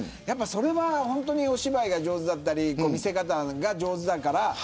それは本当にお芝居が上手だったり見せ方が上手だから。